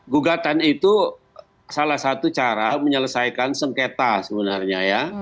gugatan itu salah satu cara menyelesaikan sengketa sebenarnya ya